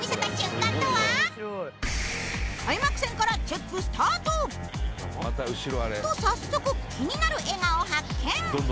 開幕戦からチェックスタートと早速気になる笑顔発見